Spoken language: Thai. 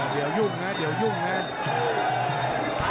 เดี๋ยวยุ่งนะเดี๋ยวยุ่งนะ